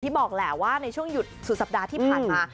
บอกแหละว่าในช่วงหยุดสุดสัปดาห์ที่ผ่านมา